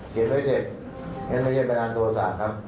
เขียนไว้เสร็จนั่นไม่ใช่เป็นอันโทษศาสตร์ครับ